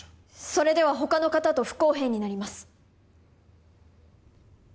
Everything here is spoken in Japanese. それでは他の方と不公平になります